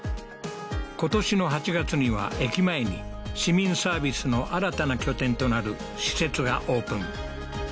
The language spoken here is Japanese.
今年の８月には駅前に市民サービスの新たな拠点となる施設がオープン